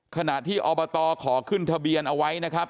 ขณะที่อบตขอขึ้นทะเบียนเอาไว้นะครับ